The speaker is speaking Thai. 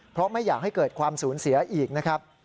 เพราะไม่อยากให้เกิดความสูญเสียอีกนะครับ